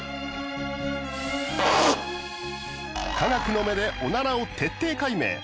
科学の目でオナラを徹底解明。